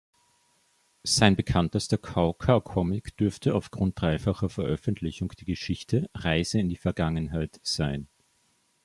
Sein bekanntester Kauka-Comic dürfte aufgrund dreifacher Veröffentlichung die Geschichte „Reise in die Vergangenheit“ sein.